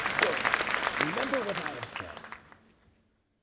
Go, remember what I have said."